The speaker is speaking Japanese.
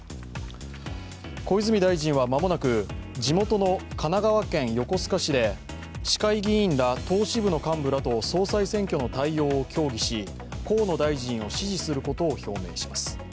小泉大臣は間もなく地元の神奈川県横須賀市で、市会議員ら党支部の幹部らと総裁選挙への対応を協議し河野大臣を支持することを表明します。